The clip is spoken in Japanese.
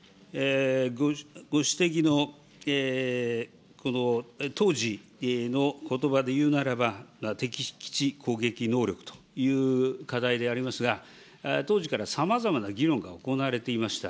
ご指摘の、この当時のことばで言うならば、敵基地攻撃能力という課題でありますが、当時からさまざまな議論が行われていました。